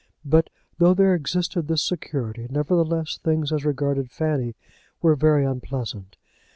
But though there existed this security, nevertheless things as regarded Fanny were very unpleasant.